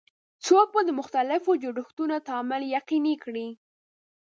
څوک به د مختلفو جوړښتونو تعامل یقیني کړي؟